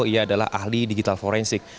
ia adalah ahli digital forensik